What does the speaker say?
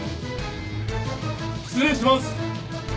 失礼します。